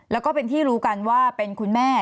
แล้วก็เป็นที่รู้กันว่าเป็นคุณแม่